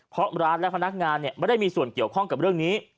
เพราะร้านและพนักงานไม่ได้มีส่วนเกี่ยวข้องกับเรื่องนี้